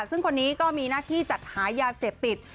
ซึ่งคนนี้ก็มีหน้าที่จัดหายาเสพติด